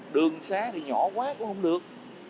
đường xá thì nhỏ quá cũng không được